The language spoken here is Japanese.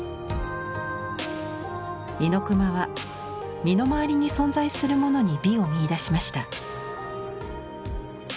猪熊は身の回りに存在するものに美を見いだしました。